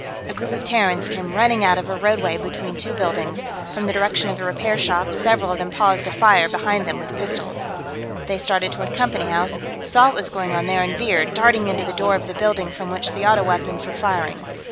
A group of Terrans came running out of a roadway between two buildings, from the direction of the repair shops; several of them paused to fire behind them with pistols. They started toward Company House, saw what was going on there, and veered, darting into the door of the building from which the auto weapons were firing.